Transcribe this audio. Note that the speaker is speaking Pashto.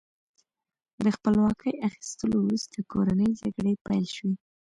د خپلواکۍ اخیستلو وروسته کورنۍ جګړې پیل شوې.